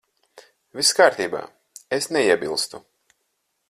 Viss kārtībā. Es neiebilstu.